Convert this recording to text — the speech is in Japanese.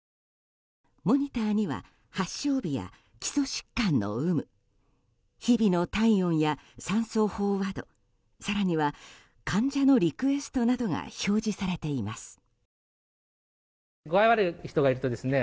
モニターには発症日や基礎疾患の有無日々の体温や酸素飽和度更には患者のリクエストなどが表示されています。